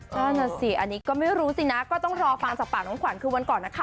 นั่นน่ะสิอันนี้ก็ไม่รู้สินะก็ต้องรอฟังจากปากน้องขวัญคือวันก่อนนะคะ